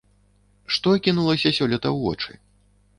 Што кінулася сёлета ў вочы?